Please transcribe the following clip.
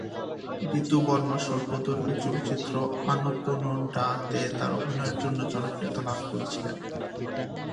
ঋতু বর্মা স্বল্পদৈর্ঘ্য চলচ্চিত্র "আনুকোকুন্ডা"-তে তার অভিনয়ের জন্য জনপ্রিয়তা লাভ করেছিলেন।